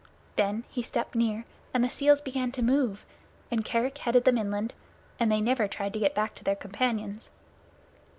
Then he stepped near and the seals began to move, and Kerick headed them inland, and they never tried to get back to their companions.